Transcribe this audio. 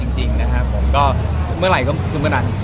จริงนะครับผมก็เมื่อไหร่ก็ขึ้นกระดัน